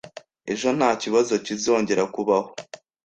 Ejo, ntakibazo kizongera kubaho.